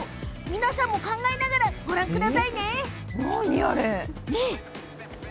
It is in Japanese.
皆さんも考えながらご覧くださいね。